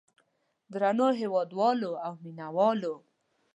درنو هېوادوالو او مینه والو.